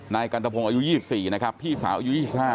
นายกันตะพงศ์อายุ๒๔นะครับพี่สาวอายุ๒๕